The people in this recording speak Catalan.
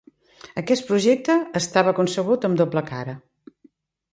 Aquest projecte estava concebut amb doble cara.